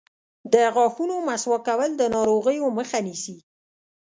د غاښونو مسواک کول د ناروغیو مخه نیسي.